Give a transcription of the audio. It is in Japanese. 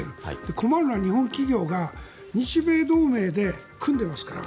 困るのは日本企業が日米同盟で組んでますから。